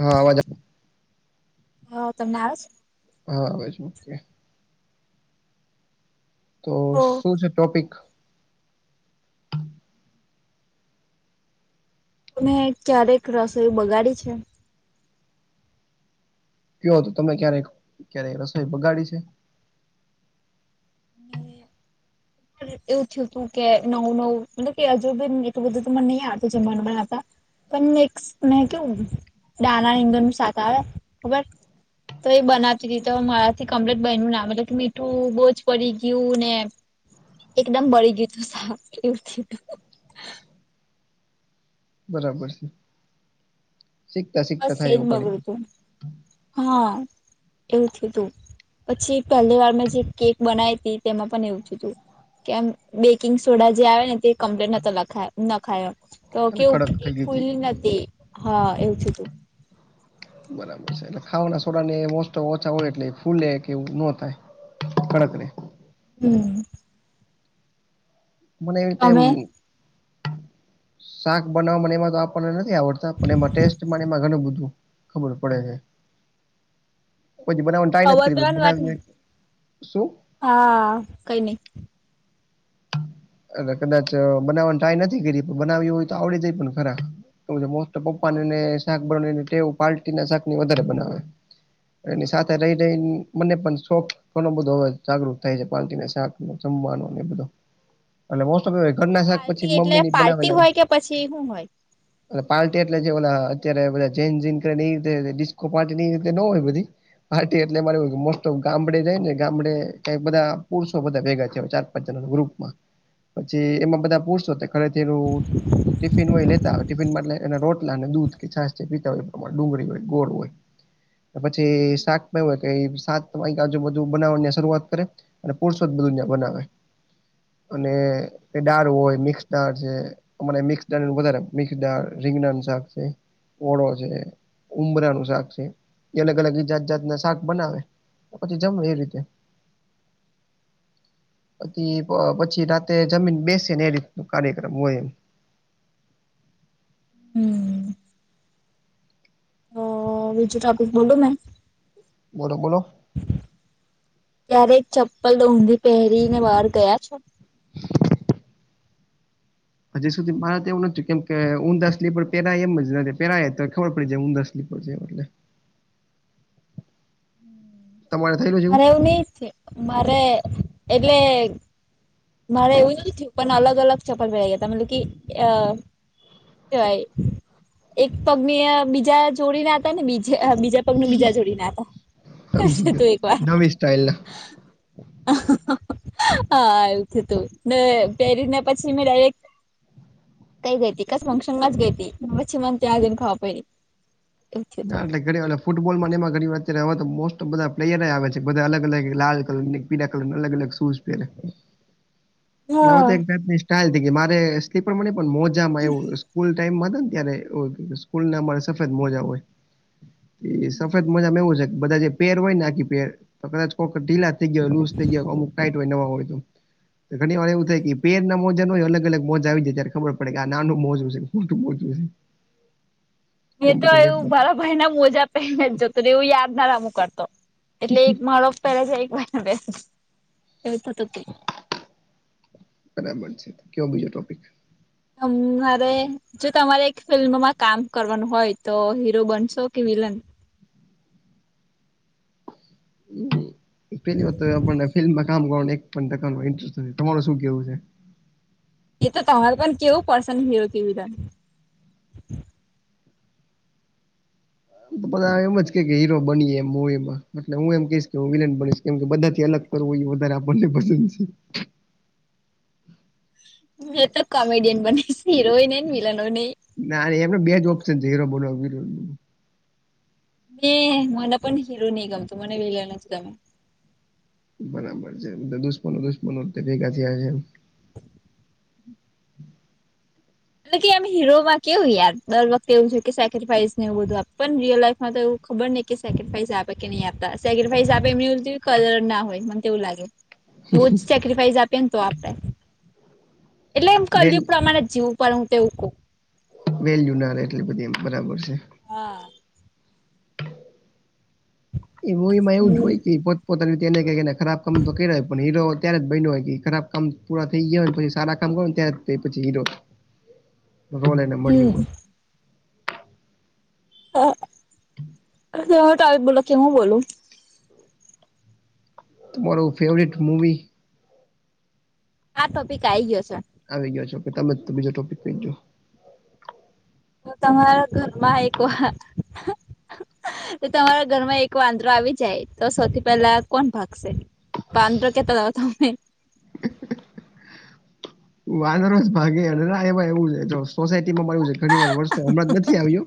હા અવાજ હ તમને આવે છે? હ આવે છે, ઓકે તો શું છે, ટોપિક? તમે ક્યારેક રસોઈ બગાડી છે? કયો તો તમે ક્યારેક ક્યારે રસોઈ બગાડી છે? હમ. એવું થયું તું કે નવું નવું મતલબ કે હજુ બી એટલું બધું તો મને નહી આવડતું જમવાનું બનાવતા. પણ મે કેવુંક દાના રીંગણ નું શાક આવે ખબર. તો એ બનાવતી હતી તો મારાથી કમ્પ્લીટ બન્યું ના મતલબ કે મીઠું બહુજ પડી ગયું ને. એકદમ બળી ગયું હતું શાક એવું થેલુ. બરાબર છે, શીખતા શીખતા થાય એવું ઘણીવાર. હ, એવું થીયુ તું. પછી પહેલી વાર મેં જે કેક બનાવી હતી તેમાં પણ એવું થીયું તુ. કેમ બેકિંગ સોડા જે આવે ને તે કમ્પ્લેટ નતો લખાય નખાયો. તો એટલે કેવું કડક થઈ કેક ગઈ હતી ફૂલી નથી હા એવું થીયુ તું. [inaudible] બરાબર છે એટલે ખાવાના સોડા ને ઓછા હોય એટલે ફૂલે કે એવું ન થાય. [unintelligible] હમ. મને એવી તે મ તમે શાક બનાવવા એમાં તો આપણને નથી આવડતા, પણ એમાં ટેસ્ટ એમાં ઘણું બધું. ખબર પડે, પછી બનાવવાનું ટ્રાઈ નથી ખબર કર્યું પડવાની વાત ને બનાવવી. શું? હા કઈ નઈ. એ કદાચ બનાવવાની ટ્રાય નથી કરી પણ બનાવવી હોય તો આવડી જાય પણ ખરા. એ મોટા પપ્પાને ને શાક બનાનેવું પાલ્ટી ના શાક ને એવું વધારે બનાવે. એની સાથે રહી રહીને મને પણ શોખ ઘણો બધો હવે જાગૃત થાય છે પાલટી ને શાક. જમાનોને એ બધો. અને મો ઓ ઘરના શાક પછી પાર્ટી એટલે મમ્મીની પાર્ટી બનાવેલા હો. હોય કે પછી હું હોય પાર્ટી એટલે અત્યારેધ જેનતેિસ્કો પાર્ટી રીતે ન હોય બધી. પાર્ટી એટલે મારી મો ઓફ ગામડે જાય ને ગામડે ક બધા પુરષો બધા ભેગા છે. ગપમાં, પછી એમાં બધા પૂછ ખરેથી એ ટિફિનમાંય લેતા આવે ટિફિનમાંટલે એના રોટલા અને દૂધ કે છાસ છે પીતા હોય પ્રમા ડુંગળી હોય ગોળ હોય. પછી શાકય શાક આજુબાજુ બનાવવાની શરૂઆત કરે. અને પુરસોત બધ દુનિયા બનાવે. અને એ દાળ હોય મિક્સ દાળ છે. અમારે મિક્સ દાળ વધારે મિક્સ દાળ રીંગણા ન શાક છે, ઓળો છે. ઉમરાનું શાક છે, એ અલગ અલગ જાાત જાત ના શાક બનાવે. પછી જમ એ રીતે. પ પછી રાતે જમીન બેસે ને એ રીત ન કાર્યક્રમ હોય એમ. હમ. વિજી ટોપિક બોલું ને. બોલો બોલો. ત્યારે એક ચપ્પલ ડઊંધી પહેરી ને બહાર ગયા છો? હજી સુધી મારે તો એવું નથીતું કેમ કે ઊંડાાસ પેરાય એમ જ નથી પહેરાય તો ખબર પડી જાય ઊંસ પજ મળલે એટલે. તમારે થયેલું મારે છે એવું નહ છે મારે એટલે મારે એવું નથીયું પણ અલગ અલગ ચપ્પલ પેરાઈ ગયા ત મતલબ કે અ વા એક પગની બીજા જોડી ના હતા ને બીજ બીજા પગનું બીજા જોડી ના હતો, એવું સમજી તું એક વાર. ગયો નવી સ્ટાઇલના હા. થું ને પહેરીને પછી મે ડાયરેક્ટ કઈ ગેતી કસ ફંક્શનમાં જ ગેતી ચીમનતી આજન ખાવા પને. નાલે ઘ વા [unintelligible] ફૂટબોલમાં એમાં ઘણી વાર અત્યારે હવા તો મોસ્ટ ઓફ બધા પ્લેયર આવે છેધ અગ અલગ લાલલરની પીડા કલરને અલ અલગ શૂઝ હમ [unintelligible] એ હા તો એક જાતની સ્ટાઈલ મારે સ્લીપર માં ન પણ મોજા માં એવું સ્કૂલ ટાઈમમાં હતા ને ત્યારે સ્કૂલ અરે સફેદ મોજા હોય. એ સફેદ મજામાં એવું છે બધા જે પેર હોય ને આખી પેર તો કદાચ કોઈક ઢીલા થઈ ગયા લુસ થઈ ગયો અમુક ટાઈટ હોય નવા હોય તો. ઘણી વાર એવું થાય કે પેર ના મોજા ન હોય અલગ અલગ મોજ આવી જાય ત્યારે ખબર પડે કે આ નાનું મોજ છે. મુલકે પહચું છે. મે તો કોમ્પ્યુટર એવું લેબમાં બરા ભાઈ ના મોજા પહેને જ જતો એવું યાદ ના રમું કરતો. એટલે એક માળફ પહેલા છે એક મહને બેસે એવું થતું. બરાબર છે કેવ બીજો ટોપિક? હમ હરે જો તમારે એક ફિલ્મમાં કામ કરવાનું હોય તો હીરો બનશો કે વિલન? પેલી વાત તો આપને ફિલ્મમાં કામ કરવા એક ટ ન ઇન્ટસ્ટ નથી તમાર શું કેવું છે? એ તો તમારે પણ કેવું પડશે ને હીરો કેવીધને. બધા એમ જ કે હીરો બનીએ એ મવીમાં એટલે હું એમ કહીશ કે હું વિલન બનીશ કેમ કે બધા થી અલગ. કરવો એ વધારે આપણને પસંદ છે. મે તો કોમેડિન બને હિરોઈન એ મિલન ન. ના એમનો બેજ ઓપ્શન છે હીરો બન. મે મને પણ હિરો નહીં ગમતોું મને વિગના છે ગમે. બરાબર છે બધા દુસપનો દુસપનો ભેગા થયા છે. એટલે કે એમ હીરોમાં કેવું યાર દર વખતે એવું છે કે સેક્રીફાઈસ ને એવું બધું પણ રયલ લાઈફ માં તોવું ખબર નહ કે સેકાઈઝ આપે કે નહી આપતા સેકફાઈ આપ એમ કલર ના હોય મનેવું લાગે. હ [unintelligible] બહુ જ સેક્રિફાઈસ આપીએને તો આપડે, એટલે એમ વેલ કરીમાણે જીવું પણ હું તો એવુ કવ. વેલ્યુ ના રહેે એટલે બધી એમ બરાબર છે. હા. એ મુૂવીમાં એવું જ પછી હોય કે પોતપોતાનીતે એને કને ખરાબ કામ તો કરીય પણ હીરો ત્યારે જ બને હોય ખરાબ કામ પૂરા થઈ ગયા પછી સારા કામ કરો ને ત્યારે પછી હીરો. રોલેને મળ્યું હમ હોય. હ, બોલો કે હું બોલું? તો તમાર ફેવરેટ મુવી? આ ટોપિક આ આવી ગયો છે. આવી ગયો છો કે તમે તો બીજો ટોપિક ભજો. હ તમારા ઘરમાં એક તો તમારા ઘરમાં એક વાંદરો આવી જાય તો સૌથી પહેલા કોણ ભાગશે? પાંદ્ર કેટલા દકા તમમે? વાનર જ ભાગે નાવા એવું સોસાયટીમાં મા છે ઘણી વાર વ હમણાં જ નથી આવ્યો,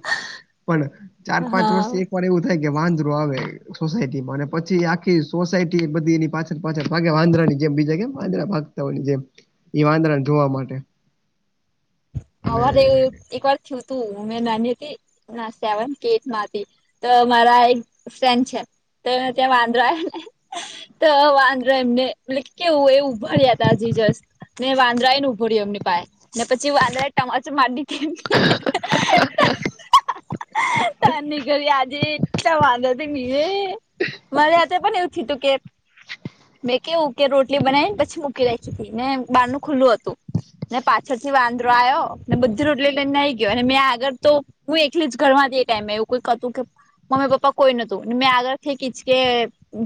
પણ ચાર પાંચ હા વર્ષથી એક વાર એવું થાય કે વાંદરો આવે. સોસાયટી માં અને પછી આખી સોસાયટી બધી એની પાછળ પાછળ ભાગે વાંદ્રની જેમ બીજા કેમ આ્રા ભાગ [unintelligible] જેમ એ વાંદરાન ધોવા માટે. અને હવારે એક વાર થયું તું. મેં નાની હતી ના સેવન કે એઈટ્થમાં હતી. તો મારા એક ફ્રેન્ડ છે. તો એને ત્યાં વાંદરો આયો ને તો વાંદરો એમને મતલબ કેવું એવું ભર્યા [unintelligible] ને વાંદરા ન ઉભું રહ્યું એમની પાહે. પછી વાંદરાએ ટમાચો માર દીધી [unintelligible] [inaudible] [unintelligible] આજે એટલા [unintelligible] મારે હાથે પણ એવું થયું તું કે મેં કેવું કે રોટલી બનાઈન પછી મૂકી રાઈખી તી, ને બારણું ખુલ્લું હતું. ને પા છળથી વાંદરો આયો ને બધી રોટલી [unintelligible] ગયો. અને મેં આગળ તો હું એકલી જ ઘરમાં હતી કાંઈ. [unintelligible] મમ્મી-પપ્પા કોઈ નતું. ને મેં આગળથી એક હિંચકે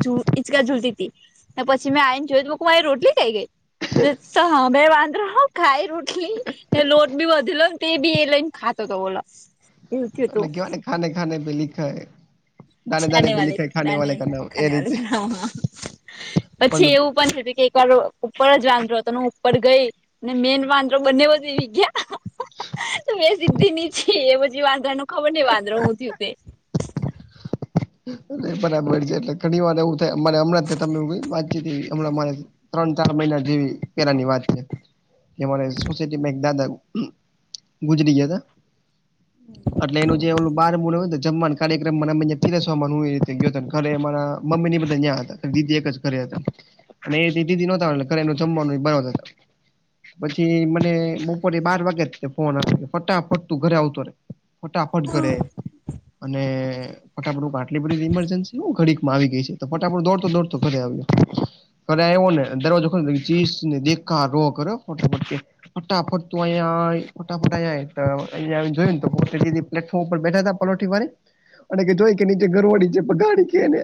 ઝૂ હિંચકા ઝૂલતી તી. ને પછી મેં આઈન જોયું તો [unintelligible] મારી રોટલી ક્યાં ગઈ? સામે વાંદરો ખાઈ રોટ ટલી, ને લોટ બી વધેલો ને તે બી એ લઈન ખાતો તો બોલો. એવું થયું તું ઓલું કહેવાય ને ખાને-ખાને પે લિખા હૈ ખાને વાલે દાને એ ખાને વાલે રીતે [unintelligible] પછી પણ એવું પણ થયું તું તું એક વાર ઉપર જ વાંદરો હતો. ને હું ઉપર ગઈ, ને મેન વાંદરો બંને [unintelligible] તો મેં સીધી નીચે. એ પછી વાંદરા નું ખબર નહીં વાંદરો હું થયું તે. નહીં બરાબર છે. એટલે ઘણી વાર એવું થાય. અમારે હમણાં જ [unintelligible] [unintelligible] હમણાં મારે ત્રણ-ચાર મહિના જેવી પહેલાની વાત હે. ન્યાં મારે સોસાયટીમાં એક દાદા ગુજરી ગયા તા. એટલે એનું જે ઓલું [unintelligible] જમવાનું કાર્યક્રમ [unintelligible] પિરસવામાં ને હું એવી રીતે ગયો તો. ઘરે મારા મમ્મી ને ઈ બધા ન્યાં હતા. ને દીદી એક જ ઘરે હતા. અને એ દી દીદી નોતા આવવાના. ઘરે એનું જમવાનું ઈ બનાવતા તા. પછી મને બપોરે બાર વાગે જ તે ફોન [inaudible] કે ફટાફટ તું ઘરે આવતો રહે. ફટાફટ ઘરે. અને ફટાફટ [unintelligible] આટલી બધી ઇમરજન્સી હું ઘડીક માં આવી ગઈ છે. તો ફટાફટ દોડતો-દોડતો ઘરે આવ્યો. ઘરે આઈવોને દરવાજો ખોઈલોને, તે ચીસ ને દેકારો કરે હો ખોટેખોટો. ફટાફટ તું અહિયાં આઈ, ફટાફટ અહિયાં આઈ, તો અહિયાં આવી ને જોયુંન તો [unintelligible] પ્લેફોર્મ ઉપર બેઠાં તાં પલોઠી વાળીન. મને કીધું, ઓઈ કે નીચે ગરોળી છે, ભગાડ ઈ કે એને.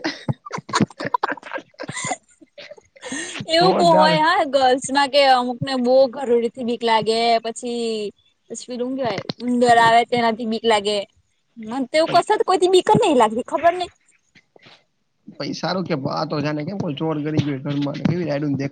એવું બોવ હોય હા ગર્લ્સ માં કે અમુક ને બોવ ઘરોળી થી બીક લાગે. પછી પછી પેલુ હું કહેવાય? ઉંદર આવે તેનાથી બીક લાગે. મને તો એવુ [unintelligible] કોઈથી બીક જ નહીં લાગતી ખબર નહી. પઈ સારું કે આ તો જાને કેમ કોઈ ચોર ઘરી ગયું ઘરમાં, એવી રાઈડુન દે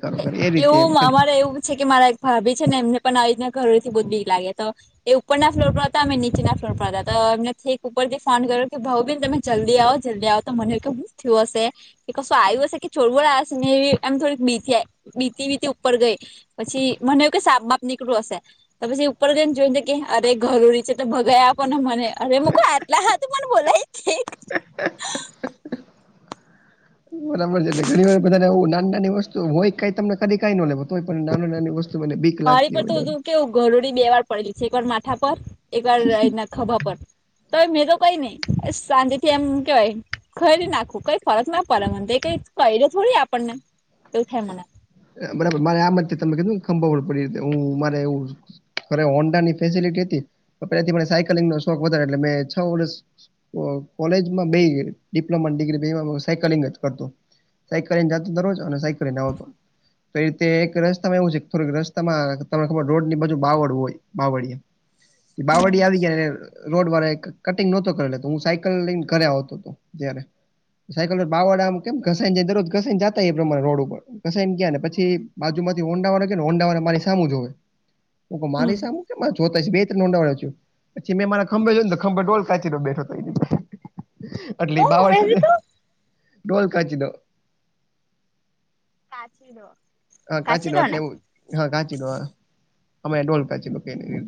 એવું અમારે એવું છે, કે મારા એક ભાભી છે ને, એમને પણ આવી રીતના ઘરોળી થી બહુ જ બીક લાગે. તો એ ઉપરના ફ્લોર પર હતા. અમે નીચેના ફ્લોર પર હતા. તો એમને થેક ઉપરથી ફોન કર્યો કે ભઉ બેન તમે જલ્દી આવો, જલ્દી આવો. તો મને કે હુ થયું હશે? કે કશું આયું હશે? કે ચોરબોર આયો હશે? ને એવી બી જાય. બીતી-બીતી ઉપર ગઈ. પછી મને એવું કે સાપ બાપ નીકળ્યું હશે. તો પછી ઉપર જઈને જોઈને કહે, અરે ઘરોળી છે, તો ભગાઈ આપો ને મને. અરે મેં કુ આટલા હારુ મને બોલાયી. [inaudible] બરાબર છે એટલે ઘણી વાર બધાને એવું નાની નાની વસ્તુ હોય કઈ તમને કઈ નો લે હોય તોય તમે નાની નાની વસ્તુ મને બીક મારી લાગતી પર હોય તો ડર કેવું ઘરોડી બે વાર પડેલી છે. એક વાર માથા પર એક વારના ખભા પર. તો મેં તો કઈ નહી સાંજે થી એમ કેવાય. ખહેડી નાખું કઈ ફરક ના પડે મને એ કઈંક કરડે થોડી આપણને એવું થાય મને. બરાબર મારે આમાં જ તમે કીધુંને ખંભાવડ પડી તે હું મારે એવું. મારે હોંડાની ફેસલિટી હતી. પેલાથી સાયકલિંગ નો શોખ વધારે એટલે મે છ વરસ કો કોલેજમાં બે ડિપ્લોમા ડિગ્રી બેમાં સાયકલિંગ જ કરતો. સાયકલ લય ને જાતો દરરોજ અને સાયકલ લઈને આવતો. તો એ રીતે એક રસ્તામાં એવું છે, થોડીક રસ્તામાં તમને ખબર રોડ ની બાજુમાં બાવળ હોય બાવળીયા. એ બાવળિયા આવી ગયા ને રોડ વાળા કટિંગ નોતો કરેલો તો હું સાયકલ લઈને ઘરે આવતો હતો તયારે સાયકલ પર બાર વાડા આમ કેમ ઘસાઈ જાય, દરરોજ ઘસાઈને જાતા એ પ્રમાણે રોડ ઉપર ઘસા ઘસાયને ગયા ને પછી બાજુ માંથી હોંડાવાળા છે, ને હોંડાવાળો મારી સામુ જુવે. હું કઉં મારી હમ સામું? કેમ આ જોતા છે બે, ત ત્રણ હોંડાવાળા જોય, પછી મેં મારા ખંભે જોય ને ખંભે ડોલ કાચીડો બેઠો હતો. આટલી બાવડ સાથે ડોલ કાચીડો કાચીડો. હા કાચીડો ને એવું હા કાચીડો હા. અમે ઢોલકાચીડો કીએ છે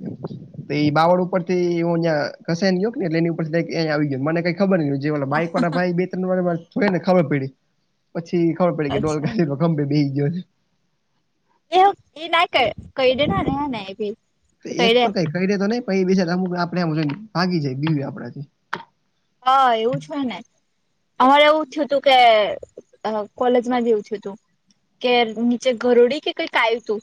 તો ઈ બાવળ ઉપર થી હું જ્યાં ખસે ન્યૂક એટલે એની ઉપરથી ડાયરેક એ આવી ગયો મને કઈ ખબર ની જે બાઈક વાળા ભાઈ બે ત્રણ વાર જુવેને ખબર પડી પછી ખબર પડી કે અચ્છા ડોલકાચીડો ખંભે બેહી ગયો છે. એ એ ના કર કયડે ના ને હે ને એભી. તો એક પર કંઈક કરડે તો નઈ પહીઁ બીજે તાહું આપણે ભાગી જઈએ બીવીએ આપણા થી. હા, એવું છે ને. હા એવું થ્યું તું કે અ કોલેજમાં જ એવું થ્યું તું. કે નીચે ઘરોડી કે કંઈક આયુ તું.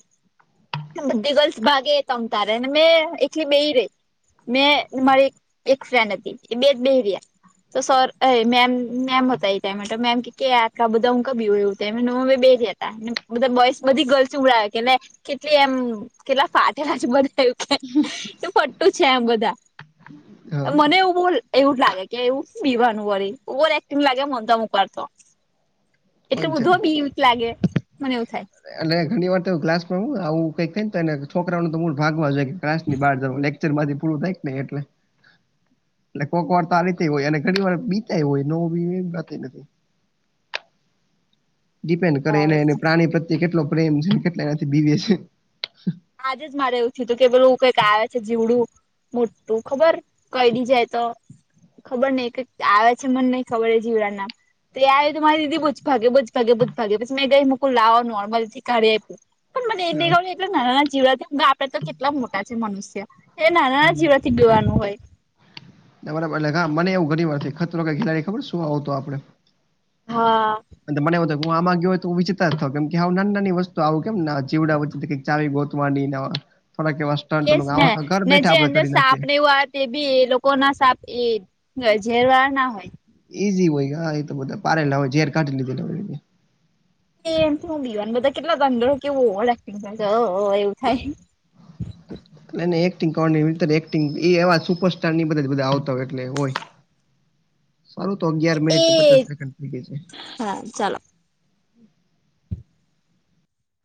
બધી ગર્લ્સ ભાગે તમ તારે અને મેં એખલી બેહી રેય. મેં ને મારી એક ફ્રેન્ડ હતી, એ બેજ બેહી રીયા. તો સર અરે, મેમ મેમ હતા એ ટાઇમે મેમ કેય કે આટલા બધા હું કામ બિવડાયવુ તેમે ન હવે મે બેહી રિયા. બધા બોઇસ બધી ગર્લ્સની ઉડાવે કે લે કેટલી એમ કેટલા ફાટેલા છે બધા. શું ફટ્ટું છે એમ બધા હા મને એવું બોલ એવું લાગે. કે એવું હું બીવાનું વરી? ઓવરેક્ટિંગ લાગે મને તો અમુક વાર તો. એટલો પોઈન્ટ બધો છે બીક લાગે? મને એવું થાય. એટલે ઘણી વાર તો એવું કે ક્લાસમાં હો, આવું કંઈક તો છોકરાઓનું તો મૂડ ભાગવા જ કે ક્લાસ ની બહાર જવુ.. માંથી પૂરું થાય કે ને એટલે એટલે કોક વાર આવી રીતે હોય અને ઘણી વાર બીતાય હોય નો બીવે એ વાત નથી. ડિપેન્ડન કરે એને બરાબર એ પ્રાણી પ્રત્યે કેટલો પ્રેમ છે. કેટલા એનાથી બીવે છે. આજે જ મારે એવું થિયું તું કે પેલુ એવું કંઈક આવે છે જીવડું મોટું ખબર કયડી જાય તો ખબર નય કઈ આવે છે મને નહી ખબર એ જીવડા નામ તે આયુ તો મારી દીદી બો જ ભાગે બો જ ભાગે બો જ ભાગે પછી મેં ગઈ લાવો નોર્મલ થી કાઢી આપ્યું. પણ મને એ બે હા. ગમે એટલે નાના જીવડા આપડે તો કેટલા મોટા છે મનુષ્ય એ નાનાના જીવડા થી બીવાનું હોય. તમારા બદલે એટલે હા મને એવું ઘણી વાર થીયું ખતરો કે ખેલાડી ખબર શું આવતો આપડે હા... અને મને એવું કે હું આમાં ગયો હોય તો વિચિત્ર થઉ કે આવું નાની વસ્તુ આવું કેમ જીવડા વચમાં થી કઈક ચાવી ગોતવાની ને અ થોડાક એવા સ્ટન્ટ તે કરવાનું, ને આવા તો ઘર ને બેઠા જે આપડે અંદર કરી સાપ નાખીએ. ને એવું આવે તે બી એ લોકો ના સાપએ ઝેરવાડા ના હોય. એ જી હોય હા એ તો બધા પારેલા હોય ઝેર કાઢી લીધેલા હોય. એ એનથી હું બીવાનું બધા કેટલા ગંદરો કેવું ઓવરએક્ટિંગ કરે એવું થાય એને એક્ટિંગ કરવાની એક્ટિંગ એ એવા સુપરસ્ટારની બધા બધા આવતા હોય એટલે હોય. સારું તો અગિયાર મિનિટ ને પચાસ એ સેકન્ડ થઈ ગઈ છે. હા ચાલો.